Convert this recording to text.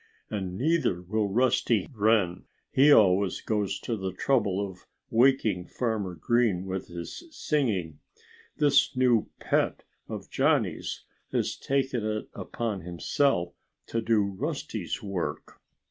And neither will Rusty Wren. He always goes to the trouble of waking Farmer Green with his singing. This new pet of Johnnie's has taken it upon himself to do Rusty's work."